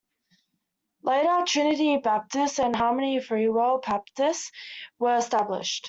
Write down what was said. Later Trinity Baptist and Harmony Freewill Baptist were established.